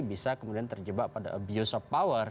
bisa kemudian terjebak pada abuse of power